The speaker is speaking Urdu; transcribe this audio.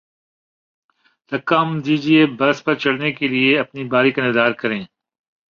دھکا م دیجئے، بس پر چڑھنے کے لئے اپنی باری کا انتظار کریں